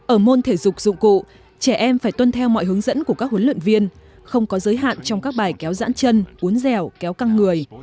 ở môn thể dục dụng cụ trẻ em phải tuân theo mọi hướng dẫn của các huấn luyện viên không có giới hạn trong các bài kéo dãn chân uốn dẻo kéo căng người